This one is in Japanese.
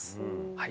はい。